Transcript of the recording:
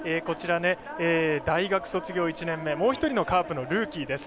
大学卒業１年目もう１人のカープのルーキーです。